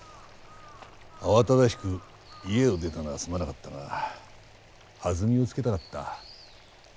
慌ただしく家を出たのはすまなかったがはずみをつけたかった。